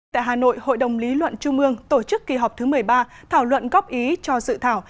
tại hà nội hội đồng lý luận trung ương tổ chức kỳ họp thứ một mươi ba thảo luận góp ý cho dự thảo